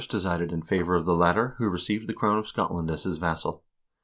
decided in favor of the latter, who received the crown of Scotland as his vassal.